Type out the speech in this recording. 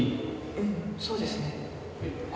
うんそうですね。